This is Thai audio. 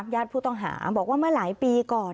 ญาติผู้ต้องหาบอกว่าเมื่อหลายปีก่อน